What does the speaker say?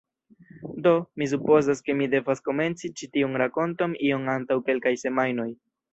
Do, mi supozas ke mi devas komenci ĉi tiun rakonton iom antaŭ kelkaj semajnoj